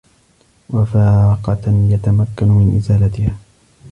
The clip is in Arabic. وَفَاقَةً يَتَمَكَّنُ مِنْ إزَالَتِهَا